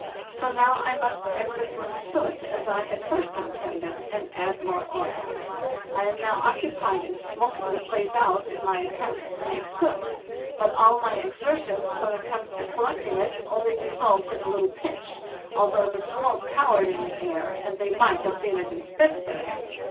So now I must mix it with soot, as I had first intended, and add more oil. I am now occupied in smoking the place out in my attempts to make soot; but all my exertions, when it comes to collecting it, only result in a little pinch, although the smoke towered in the air, and they might have seen it in Spitzbergen.